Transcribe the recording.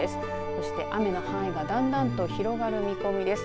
そして雨の範囲がだんだんと広がる見込みです。